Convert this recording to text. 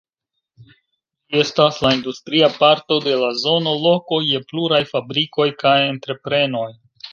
Ĝi estas la industria parto de la zono, loko je pluraj fabrikoj kaj entreprenoj.